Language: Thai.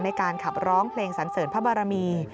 ในการขับร้องเพลงสันเสริญพระบารมี